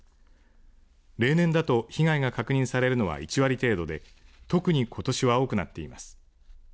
例年だと被害が確認されるのは１割程度で特にことしは多くなっています。